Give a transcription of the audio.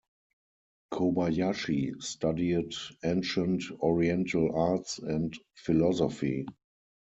Kobayashi studied ancient oriental arts and philosophy.